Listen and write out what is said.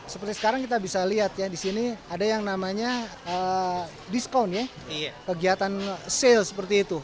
seperti sekarang kita bisa lihat ya di sini ada yang namanya diskon ya kegiatan sale seperti itu